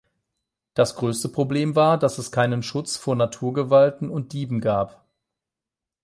Das größte Problem war, dass es keinen Schutz vor Naturgewalten und Dieben gab.